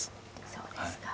そうですか。